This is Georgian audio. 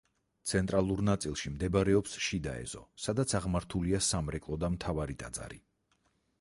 ცენტრალურ ნაწილში მდებარეობს შიდა ეზო, სადაც აღმართულია სამრეკლო და მთავარი ტაძარი.